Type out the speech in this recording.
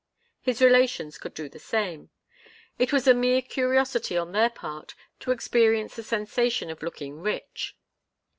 His relations could do the same it was a mere curiosity on their part to experience the sensation of looking rich.